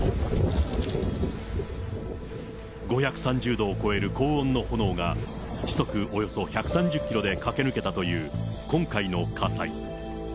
５３０度を超える高温の炎が、時速およそ１３０キロで駆け抜けたという今回の火災。